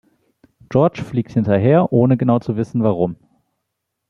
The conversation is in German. George fliegt hinterher, ohne genau zu wissen, warum.